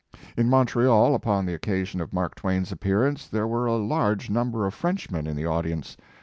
In Montreal, upon the occasion of Mark Twain s appearance, there were a large number of Frenchmen in the audi ence.